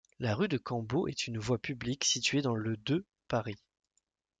La rue de Cambo est une voie publique située dans le de Paris.